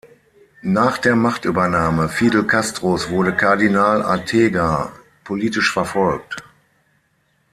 Nach der Machtübernahme Fidel Castros wurde Kardinal Arteaga politisch verfolgt.